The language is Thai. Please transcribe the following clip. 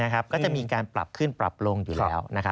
ก็จะมีการปรับขึ้นปรับลงอยู่แล้ว